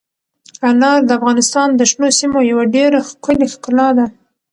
انار د افغانستان د شنو سیمو یوه ډېره ښکلې ښکلا ده.